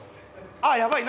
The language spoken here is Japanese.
あっやばい！